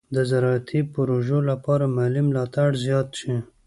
د زراعتي پروژو لپاره مالي ملاتړ زیات شي.